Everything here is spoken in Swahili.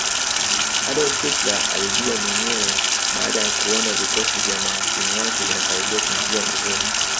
Adolf Hitler alijiua mwenyewe baada ya kuona vikosi vya mahasimu wake vinakaribia kumtia nguvuni